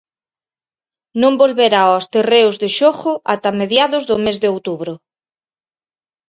Non volverá aos terreos de xogo ata mediados do mes de outubro.